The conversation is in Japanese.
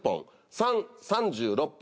３。３６本。